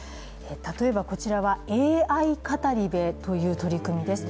例えばこちらは、ＡＩ語り部という取り組みです。